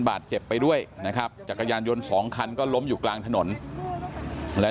บาดเจ็บไปด้วยนะครับจักรยานยนต์สองคันก็ล้มอยู่กลางถนนแล้ว